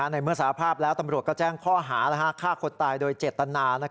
ในเมื่อสาภาพแล้วตำรวจก็แจ้งข้อหาฆ่าคนตายโดยเจตนา